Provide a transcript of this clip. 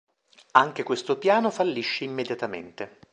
Anche questo piano fallisce immediatamente.